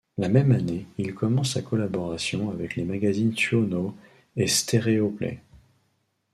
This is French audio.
La même année il commence sa collaboration avec les magazines Suono et Stereoplay.